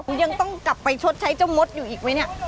คุณยังต้องกลับไปชดใช้เจ้ามดอยู่อีกไหมเนี่ย